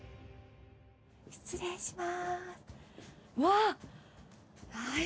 失礼します。